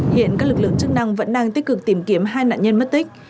hiện các lực lượng chức năng vẫn đang tích cực tìm kiếm hai nạn nhân mất tích